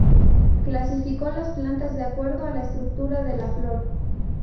Clasificó las plantas de acuerdo a la estructura de la flor.